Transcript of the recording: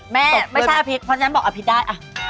ไม่ใช่อภิษเพราะฉะนั้นบอกอภิษได้